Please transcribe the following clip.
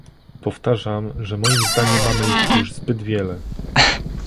Powtarzam, że moim zdaniem mamy ich już zbyt wiele